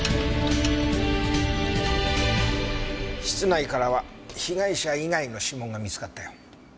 室内からは被害者以外の指紋が見つかったよ。